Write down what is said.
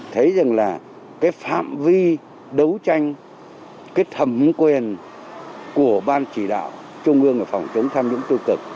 thấy rằng là cái phạm vi đấu tranh cái thẩm quyền của ban chỉ đạo trung ương về phòng chống tham nhũng tiêu cực